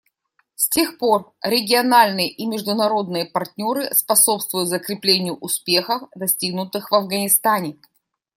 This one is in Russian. С тех пор региональные и международные партнеры способствуют закреплению успехов, достигнутых в Афганистане.